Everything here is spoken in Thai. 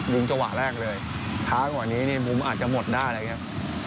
จังหวะแรกเลยช้ากว่านี้นี่มุมอาจจะหมดได้เลยครับ